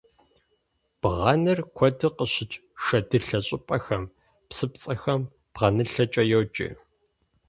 Бгъэныр куэду къыщыкӏ шэдылъэ щӏыпӏэхэм, псыпцӏэхэм бгъэнылъэкӏэ йоджэ.